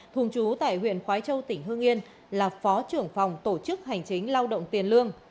thường trú tại huyện khói châu tỉnh hương yên là phó trưởng phòng tổ chức hành chính lao động tiền lương